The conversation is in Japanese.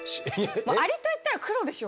アリといったら黒でしょ。